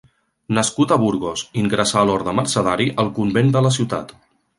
Nascut a Burgos, ingressà a l'orde mercedari al convent de la ciutat.